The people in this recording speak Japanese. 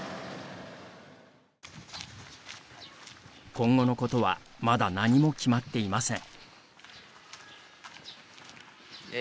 今後のことはまだ何も決まっていません。